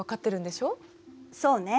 そうね。